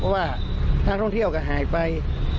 เพราะว่านักท่องเที่ยวก็หายไป